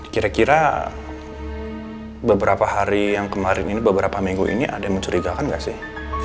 kira kira beberapa hari yang kemarin ini beberapa minggu ini ada yang mencurigakan nggak sih